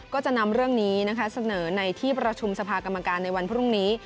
ก็จะนำเรื่องนี้เสนอในที่ประชุมสภากรรมการในวันพรุ่งนี้